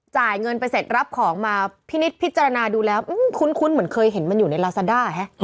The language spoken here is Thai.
จ่ายเงินไปเสร็จรับของมาพินิษฐพิจารณาดูแล้วคุ้นเหมือนเคยเห็นมันอยู่ในลาซาด้าฮะ